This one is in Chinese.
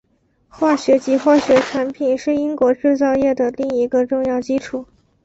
化学及化学产品是英国制造业的另一个重要基础。